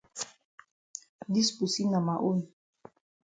Dis pussy na ma own.